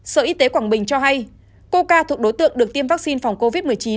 sở y tế quảng bình cho hay coca thuộc đối tượng được tiêm vaccine phòng covid một mươi chín